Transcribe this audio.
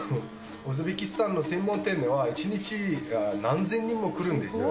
ウズベキスタンの専門店では１日何千人も来るんですよ。